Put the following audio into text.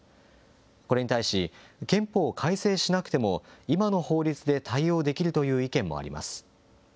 これに対し、憲法を改正しなくても今の法律で対応できるという意見もあります。